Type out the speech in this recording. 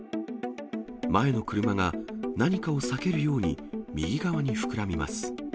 前の車が何かを避けるように、右側に膨らみます。